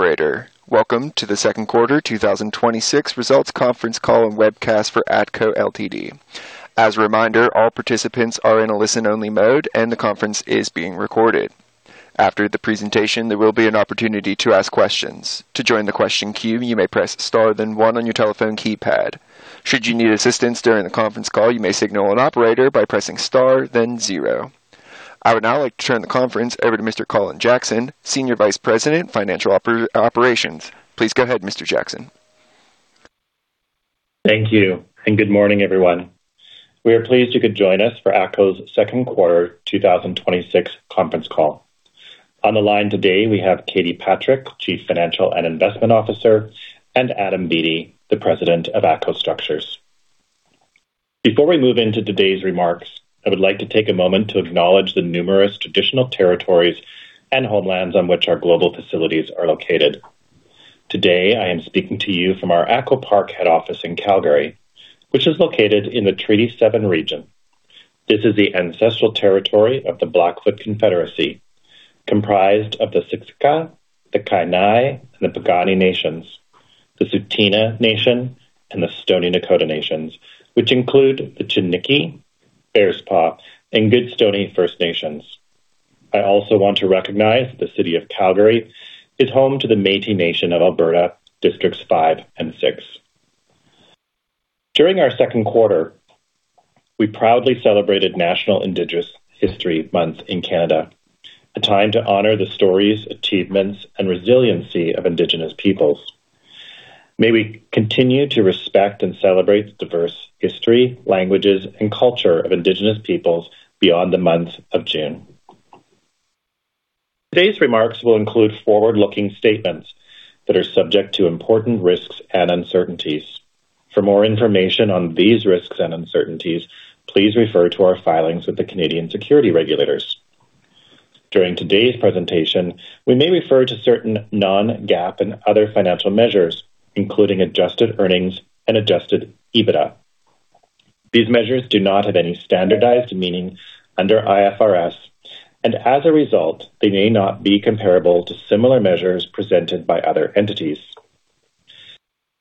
Operator, welcome to the second quarter 2026 results conference call and webcast for ATCO Ltd. As a reminder, all participants are in a listen-only mode, and the conference is being recorded. After the presentation, there will be an opportunity to ask questions. To join the question queue, you may press star then one on your telephone keypad. Should you need assistance during the conference call, you may signal an operator by pressing star then zero. I would now like to turn the conference over to Mr. Colin Jackson, Senior Vice President, Financial Operations. Please go ahead, Mr. Jackson. Thank you. Good morning, everyone. We are pleased you could join us for ATCO's second quarter 2026 conference call. On the line today, we have Katie Patrick, Chief Financial and Investment Officer, and Adam Beattie, the President of ATCO Structures. Before we move into today's remarks, I would like to take a moment to acknowledge the numerous traditional territories and homelands on which our global facilities are located. Today, I am speaking to you from our ATCO Park head office in Calgary, which is located in the Treaty 7 region. This is the ancestral territory of the Blackfoot Confederacy, comprised of the Siksika, the Kainai, and the Piikani nations, the Tsuut'ina Nation, and the Stoney Nakoda Nations, which include the Chiniki, Bearspaw, and Goodstoney First Nations. I also want to recognize the City of Calgary is home to the Métis Nation of Alberta, Districts five and six. During our second quarter, we proudly celebrated National Indigenous History Month in Canada a time to honor the stories, achievements, and resiliency of Indigenous peoples. May we continue to respect and celebrate the diverse history, languages, and culture of Indigenous peoples beyond the month of June. Today's remarks will include forward-looking statements that are subject to important risks and uncertainties. For more information on these risks and uncertainties. Please refer to our filings with the Canadian security regulators. During today's presentation, we may refer to certain non-GAAP and other financial measures, including adjusted earnings and adjusted EBITDA. These measures do not have any standardized meaning under IFRS, and as a result, they may not be comparable to similar measures presented by other entities.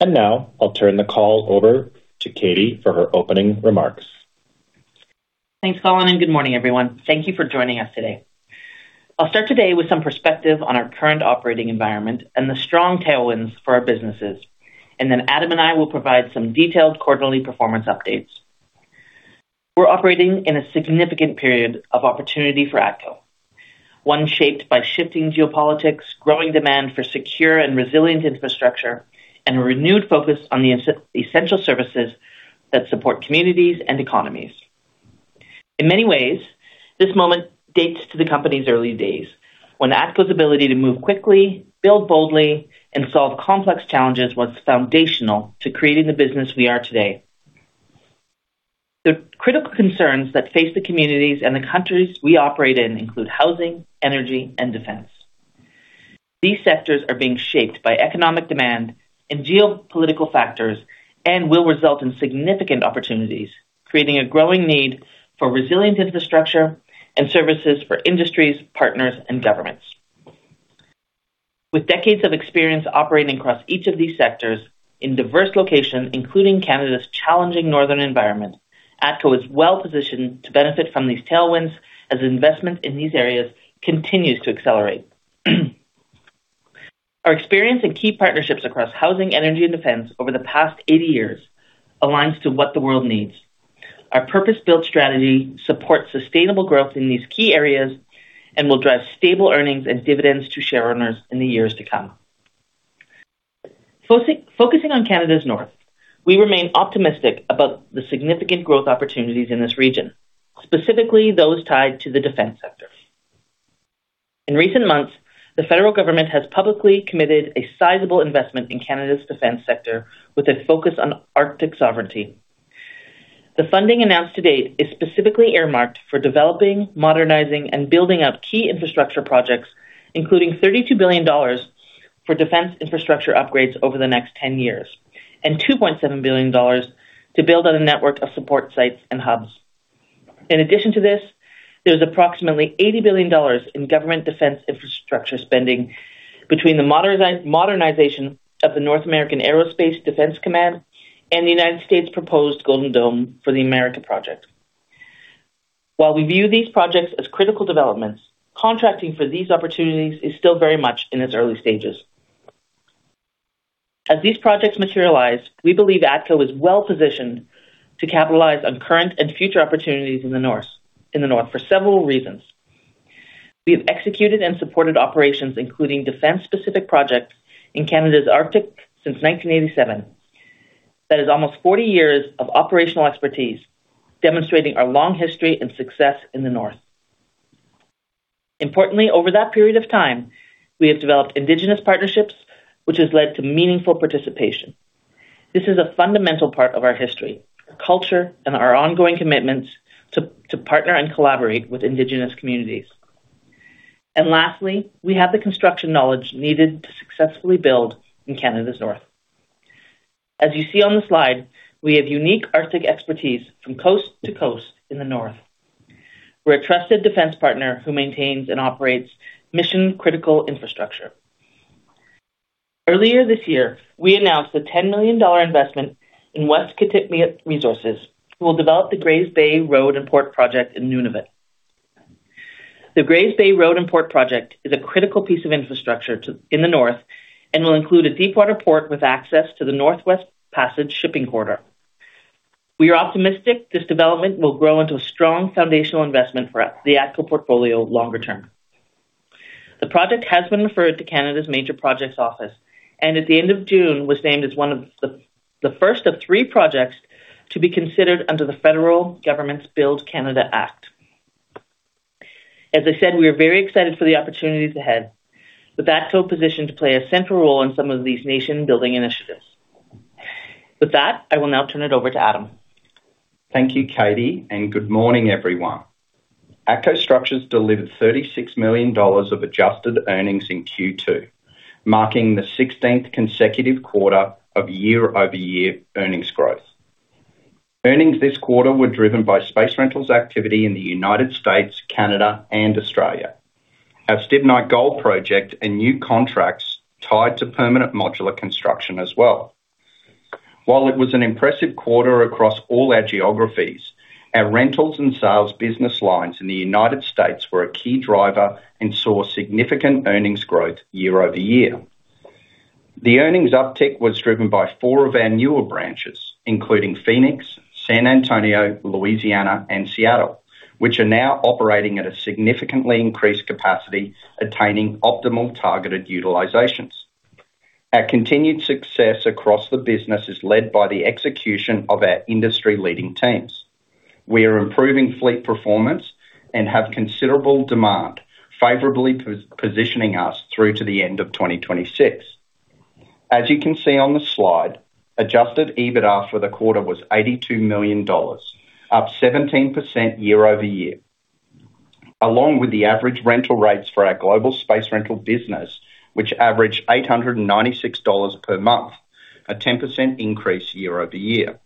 Now I'll turn the call over to Katie for her opening remarks. Thanks, Colin. Good morning, everyone. Thank you for joining us today. I'll start today with some perspective on our current operating environment and the strong tailwinds for our businesses. Then Adam and I will provide some detailed quarterly performance updates. We're operating in a significant period of opportunity for ATCO. One shaped by shifting geopolitics, growing demand for secure and resilient infrastructure, and a renewed focus on the essential services that support communities and economies. In many ways, this moment dates to the company's early days, when ATCO's ability to move quickly, build boldly, and solve complex challenges was foundational to creating the business we are today. The critical concerns that face the communities and the countries we operate in include housing, energy, and defense. These sectors are being shaped by economic demand and geopolitical factors and will result in significant opportunities, creating a growing need for resilient infrastructure and services for industries, partners, and governments. With decades of experience operating across each of these sectors in diverse locations, including Canada's challenging northern environment, ATCO is well-positioned to benefit from these tailwinds as investment in these areas continues to accelerate. Our experience and key partnerships across housing, energy, and defense over the past 80 years aligns to what the world needs. Our purpose-built strategy supports sustainable growth in these key areas and will drive stable earnings and dividends to share owners in the years to come. Focusing on Canada's North, we remain optimistic about the significant growth opportunities in this region, specifically those tied to the defense sector. In recent months, the federal government has publicly committed a sizable investment in Canada's defense sector with a focus on Arctic sovereignty. The funding announced to date is specifically earmarked for developing, modernizing, and building up key infrastructure projects, including 32 billion dollars for defense infrastructure upgrades over the next 10 years, and 2.7 billion dollars to build out a network of support sites and hubs. In addition to this, there's approximately 80 billion dollars in government defense infrastructure spending between the modernization of the North American Aerospace Defense Command and the U.S.'s proposed Golden Dome for America project. While we view these projects as critical developments, contracting for these opportunities is still very much in its early stages. As these projects materialize, we believe ATCO is well-positioned to capitalize on current and future opportunities in the North for several reasons. We have executed and supported operations, including defense-specific projects in Canada's Arctic since 1987. That is almost 40 years of operational expertise, demonstrating our long history and success in the North. Importantly, over that period of time, we have developed Indigenous partnerships, which has led to meaningful participation. This is a fundamental part of our history, our culture and our ongoing commitments to partner and collaborate with Indigenous communities. Lastly, we have the construction knowledge needed to successfully build in Canada's North. As you see on the slide, we have unique Arctic expertise from coast to coast in the north. We're a trusted defense partner who maintains and operates mission-critical infrastructure. Earlier this year, we announced a 10 million dollar investment in West Kitikmeot Resources, who will develop the Grays Bay Road and Port Project in Nunavut. The Grays Bay Road and Port Project is a critical piece of infrastructure in the north and will include a deepwater port with access to the Northwest Passage shipping corridor. We are optimistic this development will grow into a strong foundational investment for the ATCO portfolio longer term. The project has been referred to Canada's Major Projects Office, and at the end of June, was named as one of the first of three projects to be considered under the federal government's Build Canada Act. As I said, we are very excited for the opportunities ahead with ATCO positioned to play a central role in some of these nation-building initiatives. With that, I will now turn it over to Adam. Thank you, Katie, and good morning, everyone. ATCO Structures delivered 36 million dollars of adjusted earnings in Q2, marking the 16th consecutive quarter of year-over-year earnings growth. Earnings this quarter were driven by space rentals activity in the U.S., Canada, and Australia. Our Stibnite Gold Project and new contracts tied to permanent modular construction as well. While it was an impressive quarter across all our geographies, our rentals and sales business lines in the U.S. were a key driver and saw significant earnings growth year-over-year. The earnings uptick was driven by four of our newer branches, including Phoenix, San Antonio, Louisiana, and Seattle, which are now operating at a significantly increased capacity, attaining optimal targeted utilizations. Our continued success across the business is led by the execution of our industry-leading teams. We are improving fleet performance and have considerable demand, favorably positioning us through to the end of 2026. As you can see on the slide, adjusted EBITDA for the quarter was 82 million dollars, up 17% year-over-year. Along with the average rental rates for our global space rental business, which averaged 896 dollars per month, a 10% increase year-over-year.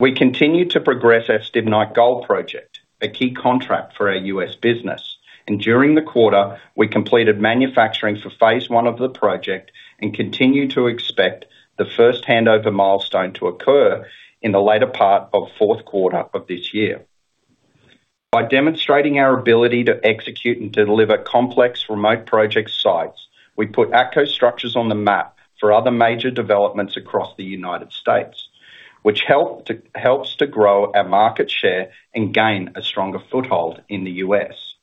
We continue to progress our Stibnite Gold Project, a key contract for our U.S. business. During the quarter, we completed manufacturing for phase 1 of the project and continue to expect the first handover milestone to occur in the later part of fourth quarter of this year. By demonstrating our ability to execute and deliver complex remote project sites, we put ATCO Structures on the map for other major developments across the U.S., which helps to grow our market share and gain a stronger foothold in the U.S.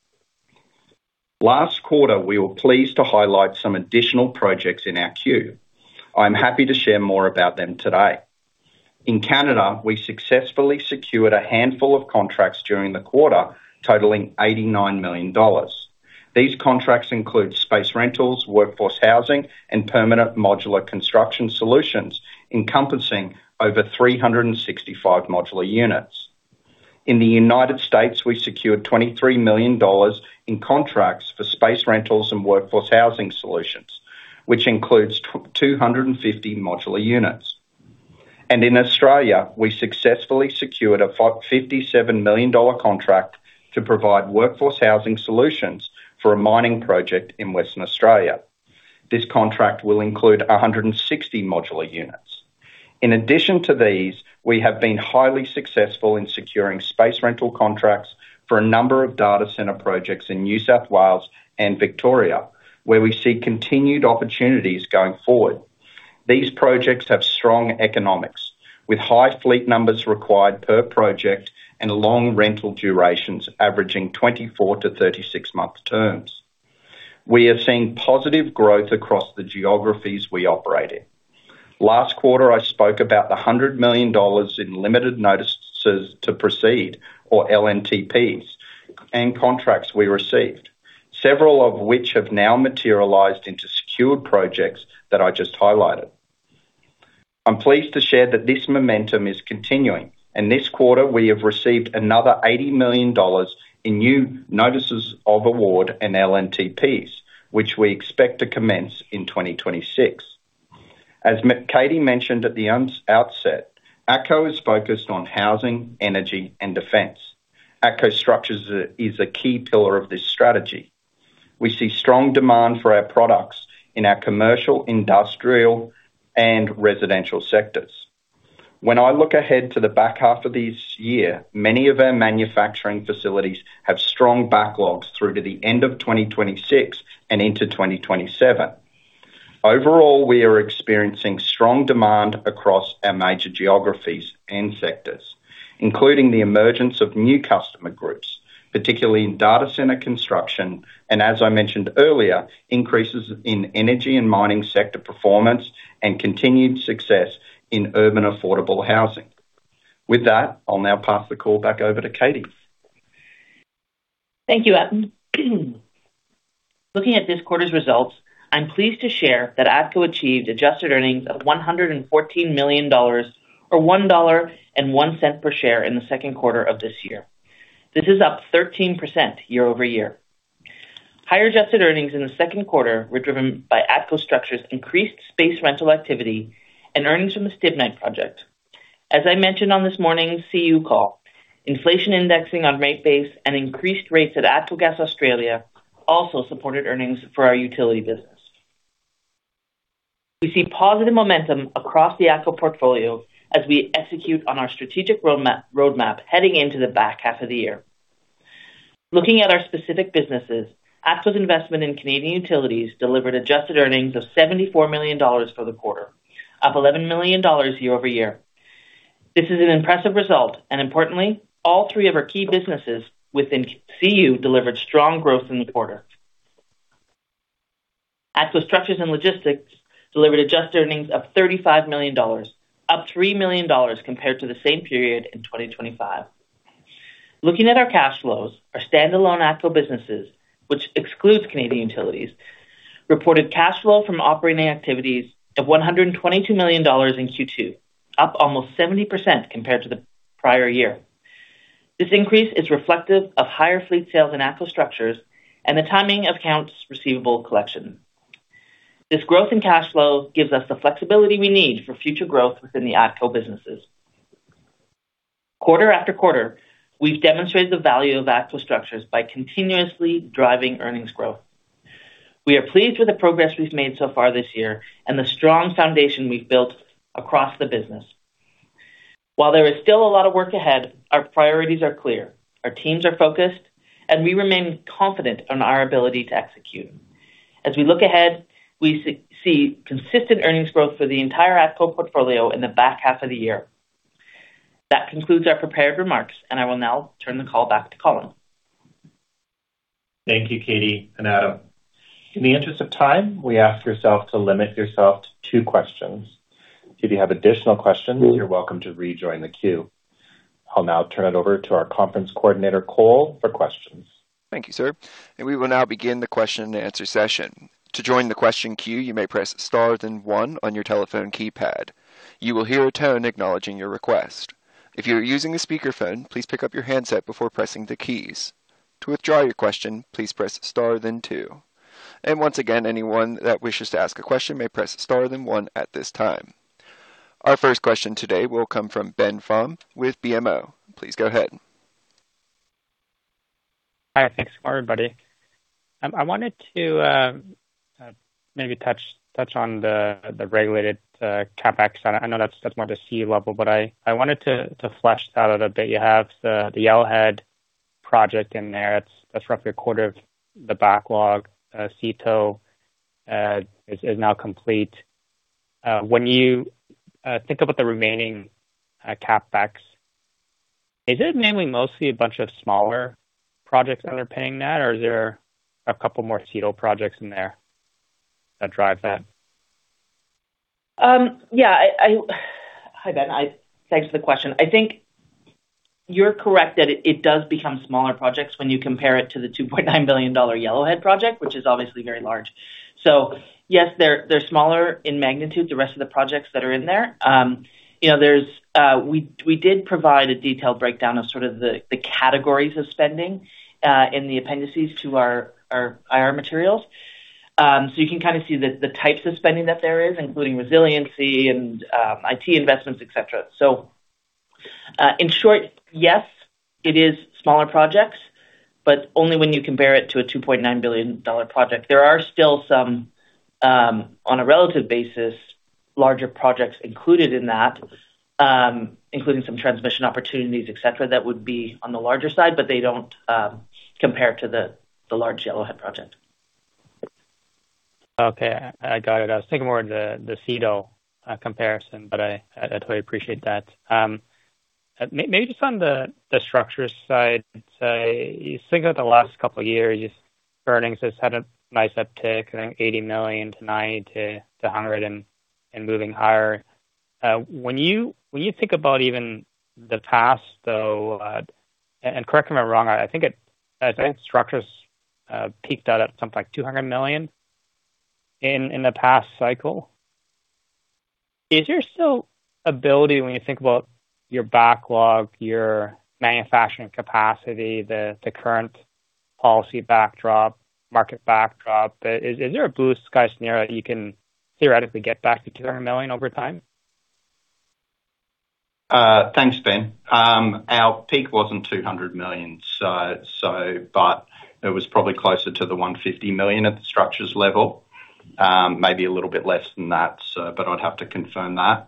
Last quarter. We were pleased to highlight some additional projects in our queue. I'm happy to share more about them today. In Canada, we successfully secured a handful of contracts during the quarter, totaling 89 million dollars. These contracts include space rentals, workforce housing, and permanent modular construction solutions encompassing over 365 modular units. In the U.S., we secured 23 million dollars in contracts for space rentals and workforce housing solutions, which includes 250 modular units. In Australia, we successfully secured a 57 million dollar contract to provide workforce housing solutions for a mining project in Western Australia. This contract will include 160 modular units. In addition to these, we have been highly successful in securing space rental contracts for a number of data center projects in New South Wales and Victoria, where we see continued opportunities going forward. These projects have strong economics, with high fleet numbers required per project and long rental durations averaging 24-36-month terms. We are seeing positive growth across the geographies we operate in. Last quarter, I spoke about the 100 million dollars in Limited Notice to Proceed, or LNTPs, and contracts we received, several of which have now materialized into secured projects that I just highlighted. I'm pleased to share that this momentum is continuing. This quarter, we have received another 80 million dollars in new notices of award and LNTPs, which we expect to commence in 2026. As Katie mentioned at the outset, ATCO is focused on housing, energy, and defense. ATCO Structures is a key pillar of this strategy. We see strong demand for our products in our commercial, industrial, and residential sectors. When I look ahead to the back half of this year, many of our manufacturing facilities have strong backlogs through to the end of 2026 and into 2027. Overall, we are experiencing strong demand across our major geographies and sectors, including the emergence of new customer groups, particularly in data center construction, and as I mentioned earlier, increases in energy and mining sector performance and continued success in urban affordable housing. With that, I'll now pass the call back over to Katie. Thank you, Adam. Looking at this quarter's results, I'm pleased to share that ATCO achieved adjusted earnings of 114 million dollars or 1.01 dollar per share in the second quarter of this year. This is up 13% year-over-year. Higher adjusted earnings in the second quarter were driven by ATCO Structures' increased space rental activity and earnings from the Stibnite project. As I mentioned on this morning's CU call, inflation indexing on rate base and increased rates at ATCO Gas Australia also supported earnings for our utility business. We see positive momentum across the ATCO portfolio as we execute on our strategic roadmap heading into the back half of the year. Looking at our specific businesses, ATCO's investment in Canadian Utilities delivered adjusted earnings of 74 million dollars for the quarter, up 11 million dollars year-over-year. This is an impressive result, and importantly, all three of our key businesses within CU delivered strong growth in the quarter. ATCO Structures & Logistics delivered adjusted earnings of 35 million dollars, up 3 million dollars compared to the same period in 2025. Looking at our cash flows, our standalone ATCO businesses, which excludes Canadian Utilities, reported cash flow from operating activities of 122 million dollars in Q2, up almost 70% compared to the prior year. This increase is reflective of higher fleet sales in ATCO Structures and the timing of accounts receivable collection. This growth in cash flow gives us the flexibility we need for future growth within the ATCO businesses. Quarter after quarter, we've demonstrated the value of ATCO Structures by continuously driving earnings growth. We are pleased with the progress we've made so far this year and the strong foundation we've built across the business. While there is still a lot of work ahead, our priorities are clear. Our teams are focused, and we remain confident in our ability to execute. As we look ahead, we see consistent earnings growth for the entire ATCO portfolio in the back half of the year. That concludes our prepared remarks, and I will now turn the call back to Colin. Thank you, Katie and Adam. In the interest of time, we ask yourself to limit yourself to two questions. If you have additional questions, you are welcome to rejoin the queue. I will now turn it over to our conference coordinator, Cole, for questions. Thank you, sir. We will now begin the question and answer session. To join the question queue, you may press star then one on your telephone keypad. You will hear a tone acknowledging your request. If you are using a speakerphone, please pick up your handset before pressing the keys. To withdraw your question, please press star then two. Once again, anyone that wishes to ask a question may press star then one at this time. Our first question today will come from Ben Pham with BMO. Please go ahead. Hi. Thanks, everybody. I wanted to maybe touch on the regulated CapEx. I know that's more the C-level, but I wanted to flesh that out a bit. You have the Yellowhead project in there. That's roughly a quarter of the backlog. CETO is now complete. When you think about the remaining CapEx is it mainly mostly a bunch of smaller projects that are paying that, or is there a couple more CETO projects in there that drive that? Yeah. Hi, Ben. Thanks for the question. I think you are correct that it does become smaller projects when you compare it to the 2.9 billion dollar Yellowhead project, which is obviously very large. Yes, they are smaller in magnitude, the rest of the projects that are in there. We did provide a detailed breakdown of sort of the categories of spending in the appendices to our IR materials. You can see the types of spending that there is, including resiliency and IT investments, et cetera. In short, yes, it is smaller projects, but only when you compare it to a 2.9 billion dollar project. There are still some, on a relative basis, larger projects included in that, including some transmission opportunities, et cetera, that would be on the larger side but they do not compare to the large Yellowhead project. Okay, I got it. I was thinking more of the CETO comparison, but I totally appreciate that. Maybe just on the structures side, say, you think of the last couple of years, earnings has had a nice uptick, I think 80 million to [90 million to 100 million] and moving higher. When you think about even the past, though, and correct me if I'm wrong, I think structures peaked out at something like 200 million in the past cycle. Is there still ability when you think about your backlog, your manufacturing capacity, the current policy backdrop, market backdrop, is there a blue sky scenario that you can theoretically get back to 200 million over time? Thanks, Ben. Our peak wasn't 200 million, but it was probably closer to 150 million at the structures level. Maybe a little bit less than that, but I'd have to confirm that.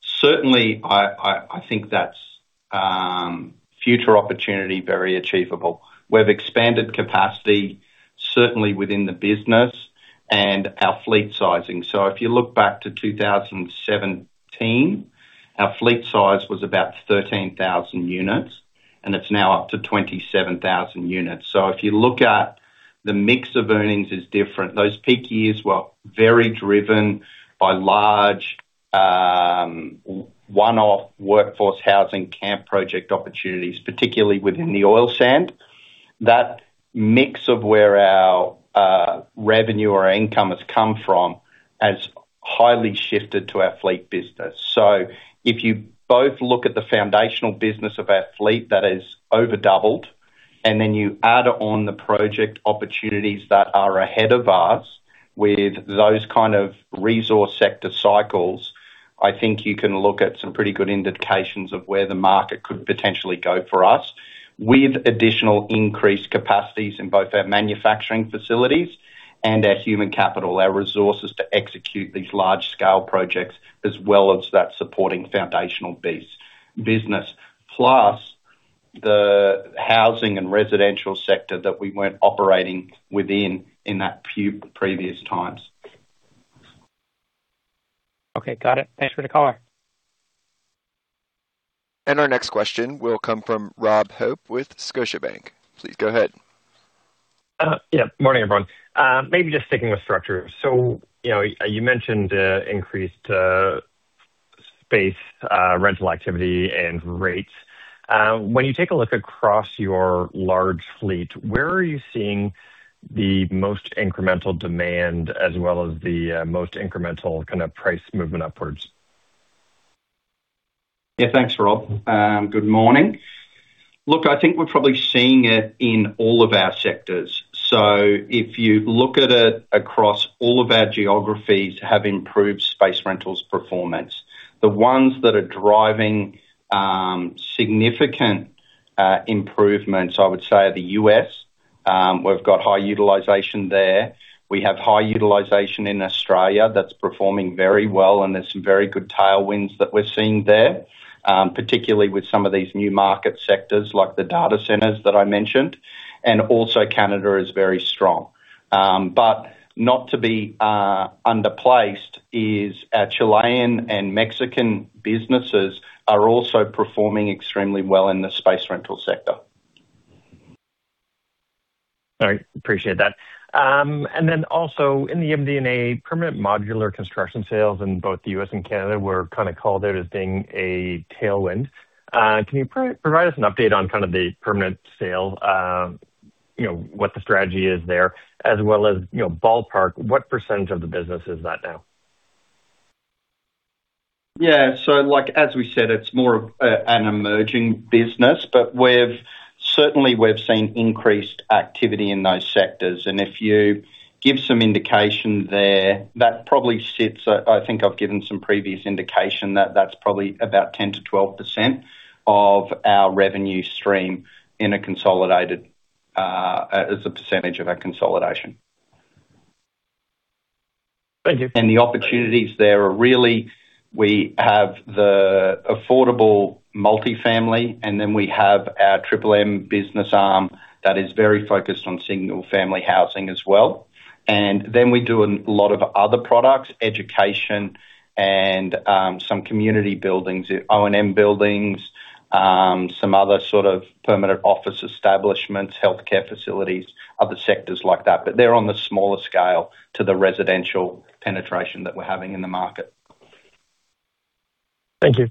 Certainly, I think that's future opportunity, very achievable. We've expanded capacity, certainly within the business and our fleet sizing. If you look back to 2017, our fleet size was about 13,000 units, and it's now up to 27,000 units. If you look at the mix of earnings is different. Those peak years were very driven by large one-off workforce housing camp project opportunities, particularly within the oil sand. That mix of where our revenue or income has come from has highly shifted to our fleet business. If you both look at the foundational business of our fleet that has over doubled, and then you add on the project opportunities that are ahead of us with those kind of resource sector cycles, I think you can look at some pretty good indications of where the market could potentially go for us. With additional increased capacities in both our manufacturing facilities and our human capital, our resources to execute these large-scale projects as well as that supporting foundational business plus the housing and residential sector that we weren't operating within in that previous times. Okay, got it. Thanks for the color. Our next question will come from Rob Hope with Scotiabank. Please go ahead. Yeah. Morning, everyone. Maybe just sticking with structures. You mentioned increased space rental activity and rates. When you take a look across your large fleet, where are you seeing the most incremental demand as well as the most incremental price movement upwards? Yeah. Thanks, Rob. Good morning. Look, I think we're probably seeing it in all of our sectors. If you look at it across all of our geographies have improved space rentals performance. The ones that are driving significant improvements, I would say the U.S. We've got high utilization there. We have high utilization in Australia that's performing very well, and there's some very good tailwinds that we're seeing there, particularly with some of these new market sectors like the data centers that I mentioned. Also Canada is very strong. Not to be understated is our Chilean and Mexican businesses are also performing extremely well in the space rental sector. All right. Appreciate that. Then also in the MD&A permanent modular construction sales in both the U.S. and Canada were called out as being a tailwind. Can you provide us an update on the permanent sale, what the strategy is there as well as ballpark, what % of the business is that now? As we said, it's more of an emerging business, but certainly we've seen increased activity in those sectors. If you give some indication there, that probably sits. I think, I've given some previous indication that that's probably about 10%-12% of our revenue stream as a percentage of our consolidation. Thank you. The opportunities there are really we have the affordable multifamily, we have our Triple M business arm that is very focused on single-family housing as well. We do a lot of other products, education and some community buildings, O&M buildings, some other sort of permanent office establishments, healthcare facilities, other sectors like that. They're on the smaller scale to the residential penetration that we're having in the market. Thank you.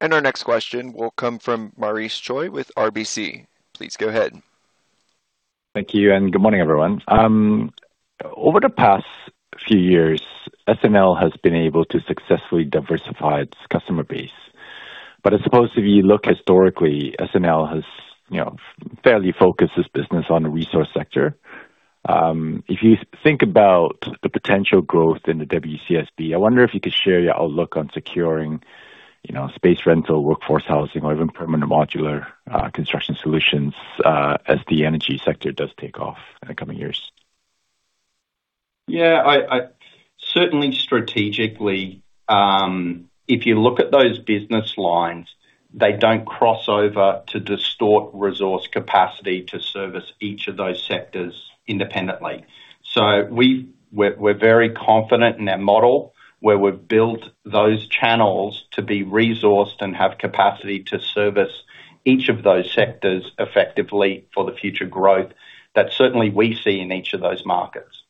Our next question will come from Maurice Choy with RBC. Please go ahead. Thank you, and good morning, everyone. Over the past few years, S&L has been able to successfully diversify its customer base. I suppose if you look historically, S&L has fairly focused its business on the resource sector. If you think about the potential growth in the WCSB, I wonder if you could share your outlook on securing space rental, workforce housing or even permanent modular construction solutions as the energy sector does take off in the coming years. Yeah. Certainly strategically, if you look at those business lines, they don't cross over to distort resource capacity to service each of those sectors independently. We're very confident in our model where we've built those channels to be resourced and have capacity to service each of those sectors effectively for the future growth that certainly we see in each of those markets.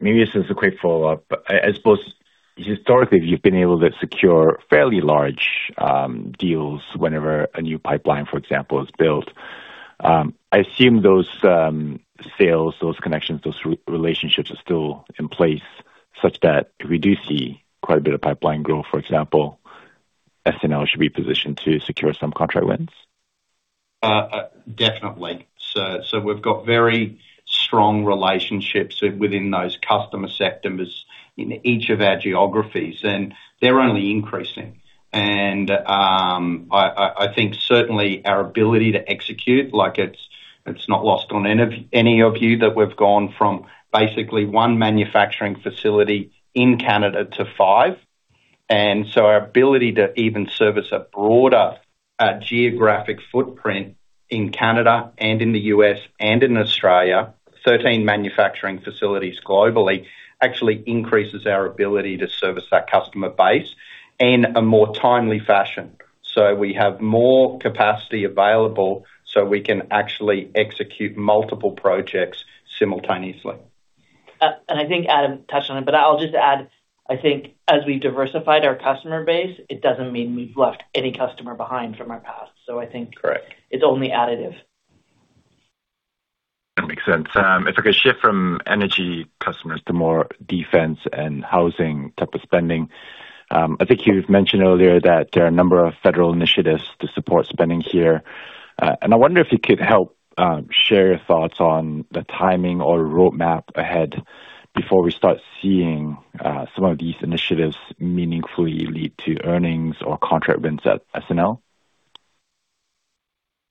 Maybe this is a quick follow-up. I suppose historically you've been able to secure fairly large deals whenever a new pipeline, for example, is built. I assume those sales those connections, those relationships are still in place such that if we do see quite a bit of pipeline growth, for example, S&L should be positioned to secure some contract wins. We've got very strong relationships within those customer sectors in each of our geographies, and they're only increasing. I think certainly our ability to execute, it's not lost on any of you that we've gone from basically one manufacturing facility in Canada to five. Our ability to even service a broader geographic footprint in Canada and in the U.S. and in Australia, 13 manufacturing facilities globally, actually increases our ability to service that customer base in a more timely fashion. We have more capacity available so we can actually execute multiple projects simultaneously. I think Adam touched on it, but I'll just add, I think as we diversified our customer base, it doesn't mean we've left any customer behind from our past. I think Correct it's only additive. That makes sense. If I could shift from energy customers to more defense and housing type of spending. I think you've mentioned earlier that there are a number of federal initiatives to support spending here. I wonder if you could help share your thoughts on the timing or roadmap ahead before we start seeing some of these initiatives meaningfully lead to earnings or contract wins at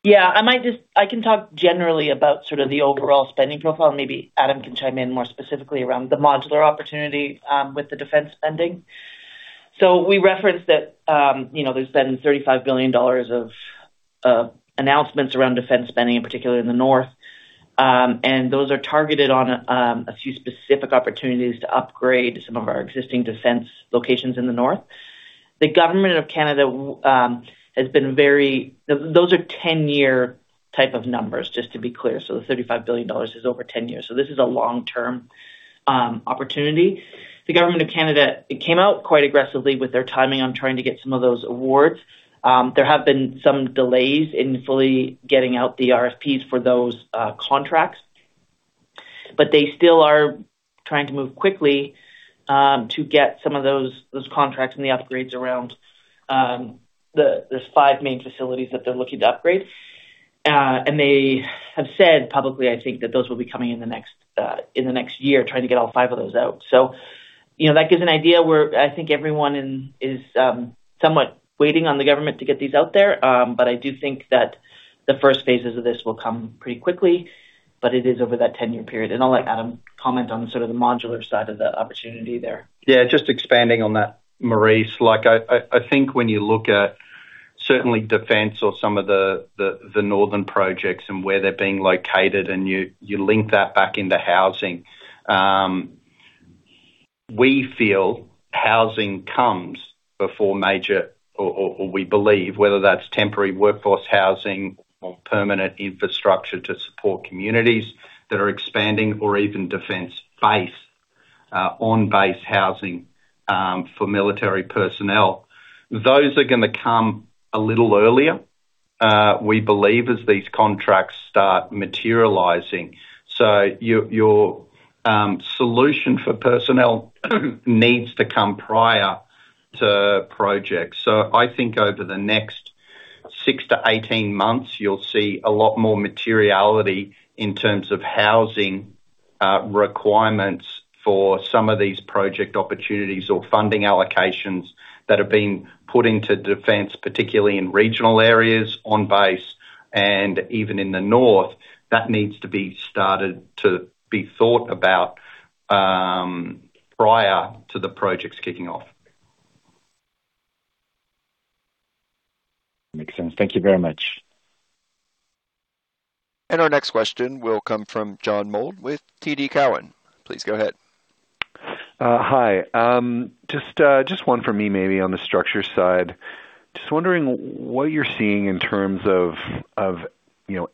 S&L. I can talk generally about the overall spending profile. Maybe Adam can chime in more specifically around the modular opportunity with the defense spending. We referenced that there's been 35 billion dollars of announcements around defense spending, particularly in the North. Those are targeted on a few specific opportunities to upgrade some of our existing defense locations in the North. Those are 10-year type of numbers, just to be clear. The 35 billion dollars is over 10 years. This is a long-term opportunity. The Government of Canada came out quite aggressively with their timing on trying to get some of those awards. There have been some delays in fully getting out the RFPs for those contracts. They still are trying to move quickly to get some of those contracts and the upgrades around. There's five main facilities that they're looking to upgrade. They have said publicly, I think, that those will be coming in the next year. Trying to get all five of those out. That gives an idea, where I think everyone is somewhat waiting on the government to get these out there. I do think that the first phases of this will come pretty quickly, but it is over that 10-year period. I'll let Adam comment on the modular side of the opportunity there. Yeah, just expanding on that, Maurice. I think when you look at certainly defense or some of the Northern projects and where they're being located and you link that back into housing. We feel housing comes before major or we believe, whether that's temporary workforce housing or permanent infrastructure to support communities that are expanding or even defense base, on-base housing for military personnel. Those are gonna come a little earlier, we believe, as these contracts start materializing. Your solution for personnel needs to come prior to projects. I think over the next six to 18 months, you'll see a lot more materiality in terms of housing requirements for some of these project opportunities or funding allocations that have been put into defense, particularly in regional areas on base and even in the North. That needs to be started to be thought about prior to the projects kicking off. Makes sense. Thank you very much. Our next question will come from John Mould with TD Cowen. Please go ahead. Hi. Just one from me, maybe on the structure side. Just wondering what you're seeing in terms of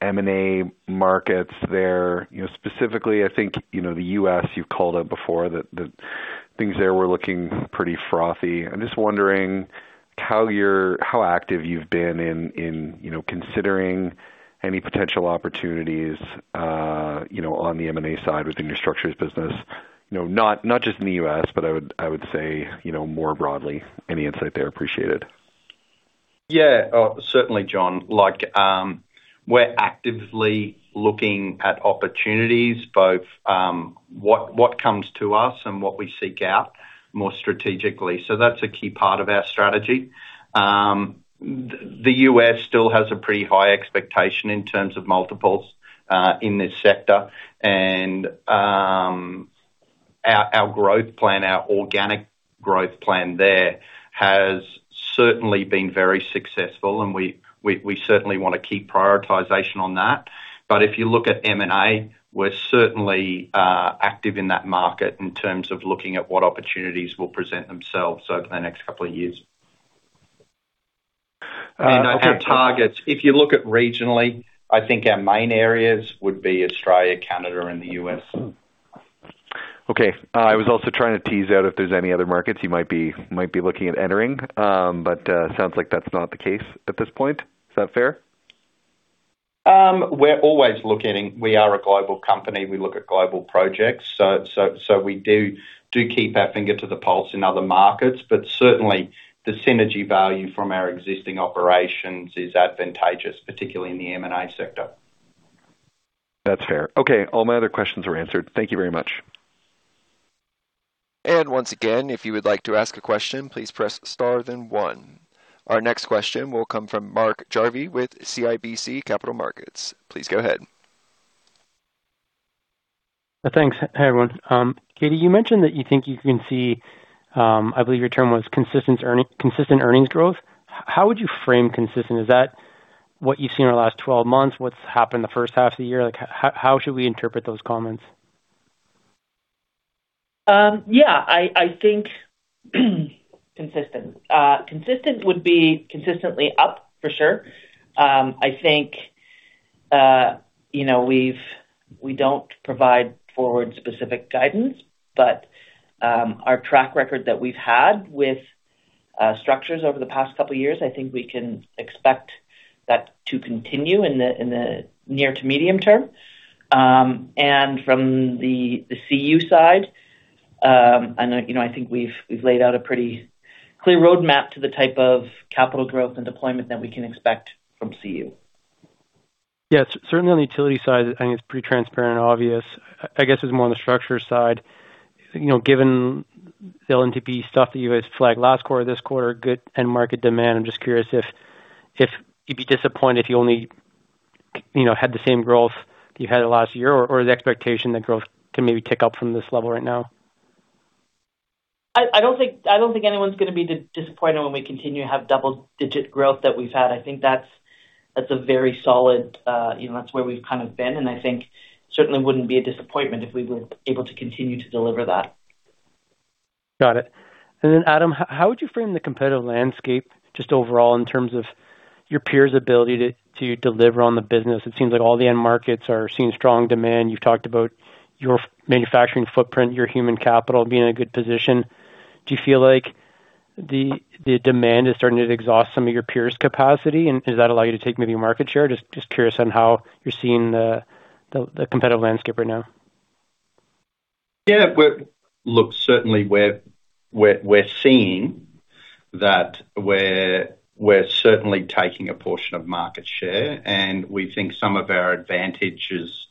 M&A markets there. Specifically, I think, the U.S. you've called out before that the things there were looking pretty frothy. I'm just wondering how active you've been in considering any potential opportunities on the M&A side within your structures business. Not just in the U.S., but I would say, more broadly any insight there appreciated. Yeah. Certainly, John. We're actively looking at opportunities, both what comes to us and what we seek out more strategically. That's a key part of our strategy. The U.S. still has a pretty high expectation in terms of multiples in this sector. Our organic growth plan there has certainly been very successful, and we certainly want to keep prioritization on that. If you look at M&A, we're certainly active in that market in terms of looking at what opportunities will present themselves over the next couple of years. Our targets, if you look at regionally, I think our main areas would be Australia, Canada, and the U.S. Okay. I was also trying to tease out if there's any other markets you might be looking at entering. Sounds like that's not the case at this point. Is that fair? We're always looking. We are a global company. We look at global projects. We do keep our finger to the pulse in other markets. Certainly, the synergy value from our existing operations is advantageous, particularly in the M&A sector. That's fair. Okay. All my other questions are answered. Thank you very much. Once again, if you would like to ask a question, please press star then one. Our next question will come from Mark Jarvi with CIBC Capital Markets. Please go ahead. Thanks. Hey, everyone. Katie, you mentioned that you think you can see, I believe your term was consistent earnings growth. How would you frame consistent? Is that what you've seen in the last 12 months? What's happened the first half of the year? How should we interpret those comments? I think consistent would be consistently up for sure. I think we don't provide forward specific guidance, but our track record that we've had with Structures over the past couple of years, I think we can expect that to continue in the near to medium term. From the CU side, I think we've laid out a pretty clear roadmap to the type of capital growth and deployment that we can expect from CU. Certainly on the utility side, I think it's pretty transparent obvious. I guess it's more on the Structures side. Given the LNTP stuff that you guys flagged last quarter, this quarter good end market demand. I'm just curious if you'd be disappointed if you only had the same growth that you had last year, or the expectation that growth can maybe tick up from this level right now? I don't think anyone's going to be disappointed when we continue to have double-digit growth that we've had. That's where we've kind of been, and I think certainly wouldn't be a disappointment if we were able to continue to deliver that. Got it. Adam, how would you frame the competitive landscape just overall in terms of your peers' ability to deliver on the business? It seems like all the end markets are seeing strong demand. You've talked about your manufacturing footprint, your human capital being in a good position. Do you feel like the demand is starting to exhaust some of your peers' capacity, and does that allow you to take maybe market share? Just curious on how you're seeing the competitive landscape right now. Yeah. Look, certainly we're seeing that we're certainly taking a portion of market share, and we think some of our advantage is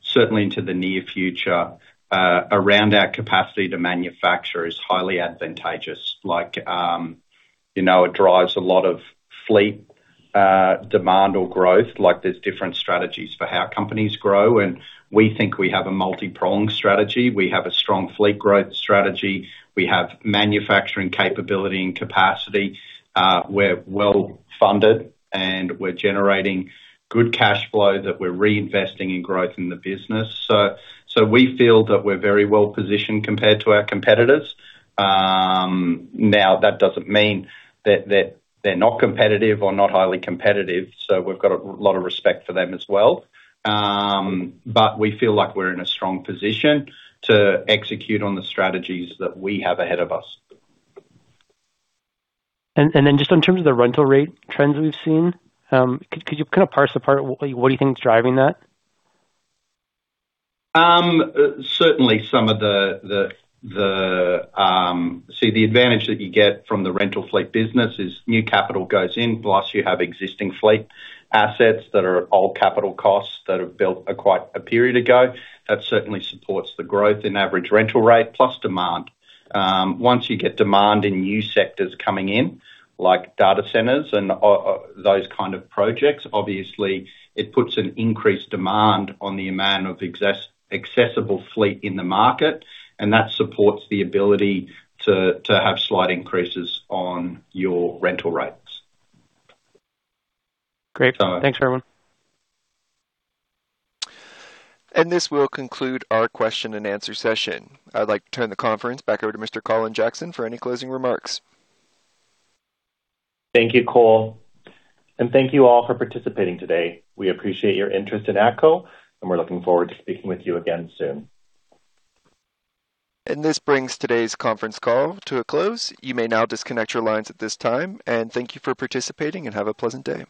certainly into the near future, around our capacity to manufacture is highly advantageous. It drives a lot of fleet demand or growth. There's different strategies for how companies grow, and we think we have a multi-pronged strategy. We have a strong fleet growth strategy. We have manufacturing capability and capacity. We're well-funded, and we're generating good cash flow that we're reinvesting in growth in the business. We feel that we're very well-positioned compared to our competitors. Now, that doesn't mean that they're not competitive or not highly competitive, so we've got a lot of respect for them as well. We feel like we're in a strong position to execute on the strategies that we have ahead of us. Just in terms of the rental rate trends we've seen, could you kind of parse apart what do you think is driving that? Certainly some of the advantage that you get from the rental fleet business is new capital goes in plus you have existing fleet assets that are old capital costs that have built quite a period ago. That certainly supports the growth in average rental rate plus demand. Once you get demand in new sectors coming in. Like, data centers and those kind of projects, obviously it puts an increased demand on the amount of accessible fleet in the market, and that supports the ability to have slight increases on your rental rates. Great. Thanks, everyone. This will conclude our question and answer session. I'd like to turn the conference back over to Mr. Colin Jackson for any closing remarks. Thank you, Cole. Thank you all for participating today. We appreciate your interest in ATCO, and we're looking forward to speaking with you again soon. This brings today's conference call to a close. You may now disconnect your lines at this time, and thank you for participating and have a pleasant day.